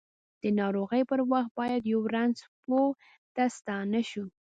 د ناروغۍ پر وخت باید یؤ رنځ پوه ته ستانه شوو!